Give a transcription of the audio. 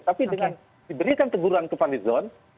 tapi dengan diberikan teguran ke pak dizon